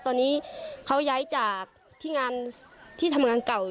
ตอนนี้เขาย้ายจากที่งานที่ทำงานเก่า